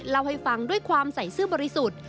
เล่าให้ฟังด้วยความใส่ซื่อบริสุทธิ์